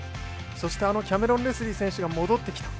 そしてあのキャメロン・レスリー選手が戻ってきた。